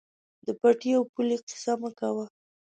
د پټي او پولې قیصه مه کوه.